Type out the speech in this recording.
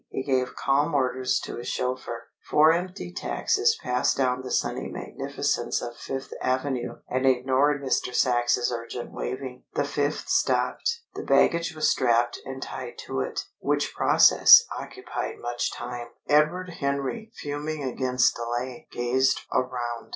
He gave calm orders to his chauffeur. Four empty taxis passed down the sunny magnificence of Fifth Avenue and ignored Mr. Sachs's urgent waving. The fifth stopped. The baggage was strapped and tied to it: which process occupied much time. Edward Henry, fuming against delay, gazed around.